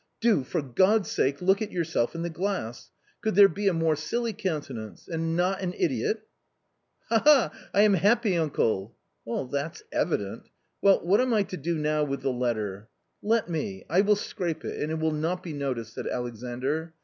Do for God's sake look at yourself in the glass; could there be a more silly countenance ? and not an idiot !"" Ha, ha, ha ! I am happy, uncle !" "That's evident. Well, what am I to do now with the letter?" —'." "Eet me — I will scrape it, and it will not be noticed," said Alexandr."